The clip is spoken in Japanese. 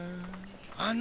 あの。